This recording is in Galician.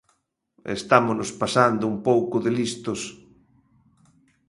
Estámonos pasando un pouco de listos.